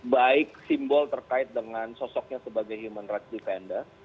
baik simbol terkait dengan sosoknya sebagai human rights defender